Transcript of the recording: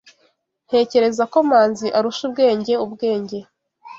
Ntekereza ko Manzi arusha ubwenge ubwenge.